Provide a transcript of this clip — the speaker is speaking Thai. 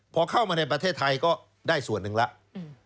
พอเข้ามาในประเทศไทยก็ได้ส่วนหนึ่งแล้ว